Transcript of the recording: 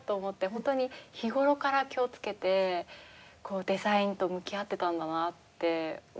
本当に日頃から気をつけてデザインと向き合ってたんだなって思いましたけどね。